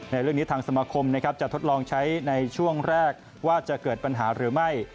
ในเรื่องนี้ทางสมาคมนะครับจะทดลองใช้ในช่วงแรกว่าจะเกิดปัญหาหรือไม่